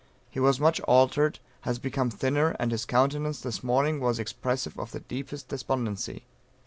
He is much altered; has become thinner, and his countenance this morning was expressive of the deepest despondency.